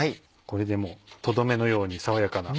これでもうとどめのように爽やかな。